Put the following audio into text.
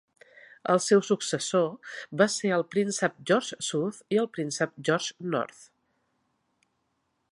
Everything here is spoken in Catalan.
El seu successor va ser el príncep George South i el príncep George North.